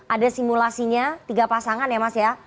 ada simulasinya tiga pasangan ya mas ya